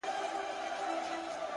څنگه دي زړه څخه بهر وباسم ـ